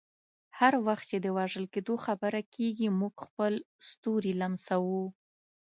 هر وخت چې د وژل کیدو خبره کیږي، موږ خپل ستوري لمسوو.